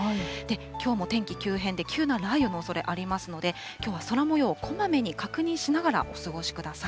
きょうも天気急変で、急な雷雨のおそれありますので、きょうは空もよう、こまめに確認しながらお過ごしください。